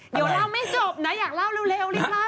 เดี๋ยวเราไม่จบน้าอยากเล่าเร็ว